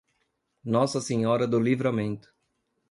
Nossa Senhora do Livramento